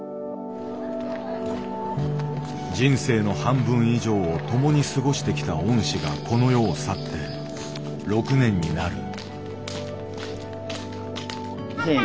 人生の半分以上を共に過ごしてきた恩師がこの世を去って６年になる。